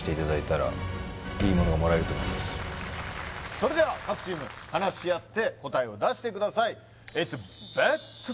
それでは各チーム話し合って答えを出してください